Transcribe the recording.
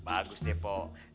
bagus deh pok